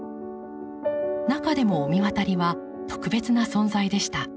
中でも御神渡りは特別な存在でした。